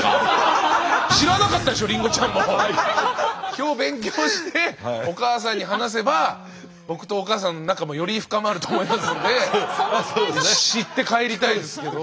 今日勉強してお母さんに話せば僕とお母さんの仲もより深まると思いますので知って帰りたいですけど。